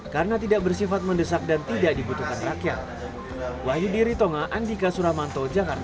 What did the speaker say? karena tidak bersifat mendesak dan tidak dibutuhkan rakyat